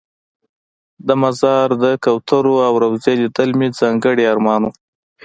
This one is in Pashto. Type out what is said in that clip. د مزار د کوترو او روضې لیدل مې ځانګړی ارمان و.